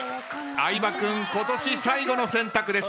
相葉君今年最後の選択です。